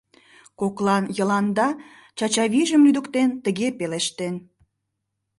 Коклан Йыланда, Чачавийжым лӱдыктен, тыге пелештен: